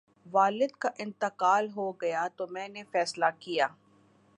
والد کا انتقال ہو گیا تو میں نے فیصلہ کیا